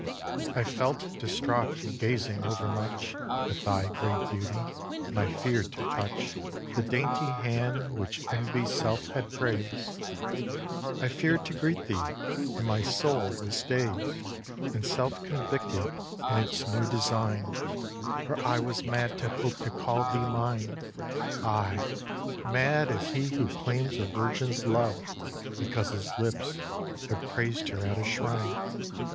iv. I felt distraught from gazing over much At thy great beauty; and I fear'd to touch The dainty hand which Envy's self hath praised. I fear'd to greet thee; and my soul was dazed And self convicted in its new design; For I was mad to hope to call thee mine, Aye! mad as he who claims a Virgin's love Because his lips have praised her at a shrine.